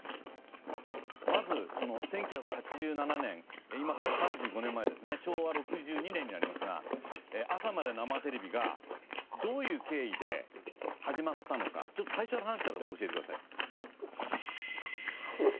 まずその１９８７年今から３５年前ですね昭和６２年になりますが『朝まで生テレビ！』がどういう経緯で始まったのかちょっと最初の話から教えてください。